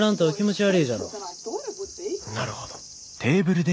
なるほど。